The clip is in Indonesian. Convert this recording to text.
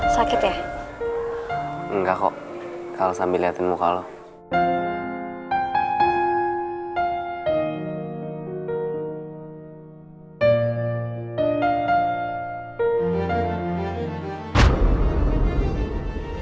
sakit ya enggak kok kalau sambil lihat temuk kalau